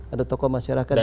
ada tokoh masyarakat juga